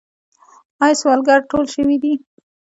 آیا سوالګر ټول شوي دي؟